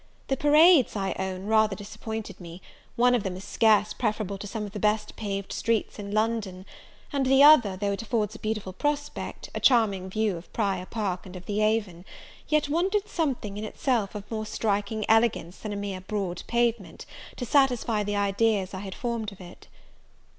The Parades, I own, rather disappointed me; one of them is scarce preferable to some of the best paved streets in London; and the other, though it affords a beautiful prospect, a charming view of Prior Park and of the Avon, yet wanted something in itself of more striking elegance than a mere broad pavement, to satisfy the ideas I had formed of it.